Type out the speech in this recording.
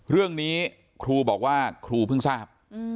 เรื่องนี้ครูบอกว่าครูเพิ่งทราบ